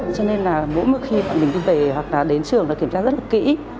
cho nên là mỗi mưa khi mình đi về hoặc là đến trường nó kiểm tra rất là kỹ